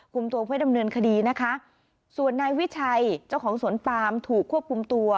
ตัวเพื่อดำเนินคดีนะคะส่วนนายวิชัยเจ้าของสวนปามถูกควบคุมตัว